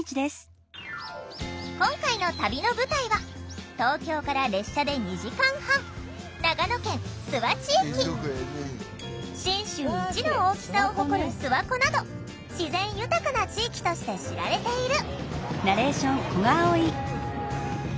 今回の旅の舞台は東京から列車で２時間半信州一の大きさを誇る諏訪湖など自然豊かな地域として知られている。